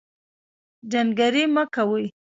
جنګرې مۀ کوئ